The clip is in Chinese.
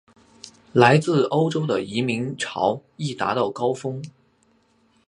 来自欧洲的移民潮亦达到高峰。